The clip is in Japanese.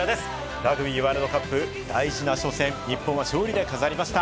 ラグビーワールドカップ、大事な初戦、日本は勝利で飾りました。